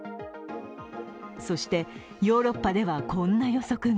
そして、ヨーロッパではこんな予測が。